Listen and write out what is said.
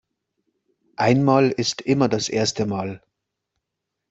Einmal ist immer das erste Mal.